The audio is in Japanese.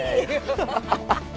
ハハハハ。